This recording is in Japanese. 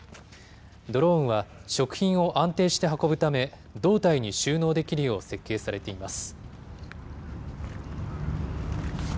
ドローンは、食品を安定して運ぶため、胴体に収納できるよう設計されています。